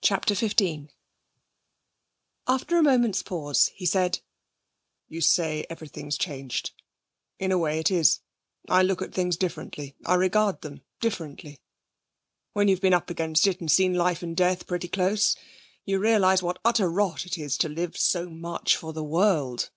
CHAPTER XV After a moment's pause he said: 'You say everything's changed. In a way it is. I look at things differently I regard them differently. When you've been up against it, and seen life and death pretty close, you realise what utter rot it is to live so much for the world.'